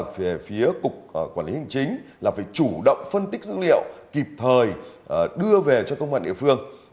về phía cục quản lý hành chính là phải chủ động phân tích dữ liệu kịp thời đưa về cho công an địa phương